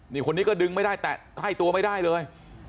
นี่คนนี้ก็ดึงไม่ได้แต่ใกล้ตัวไม่ได้เลย